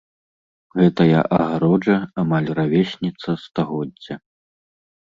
Гэтая агароджа амаль равесніца стагоддзя.